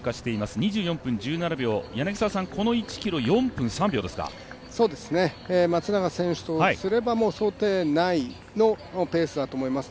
２４分１７秒、この１ｋｍ松永選手とすれば想定内のペースだと思います。